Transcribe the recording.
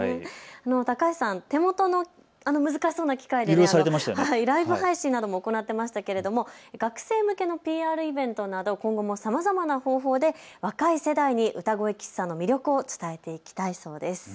高橋さん、手元の難しそうな機械でライブ配信なども行ってましたけれども学生向けのＰＲイベントなど今後もさまざまな方法で若い世代に歌声喫茶の魅力を伝えていきたいそうです。